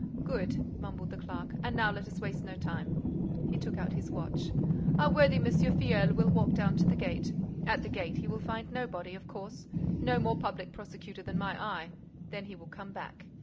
"Good," mumbled the clerk. "And now let us waste no time." He took out his watch. "Our worthy M. Filleul will walk down to the gate. At the gate, he will find nobody, of course: no more public prosecutor than my eye. Then he will come back.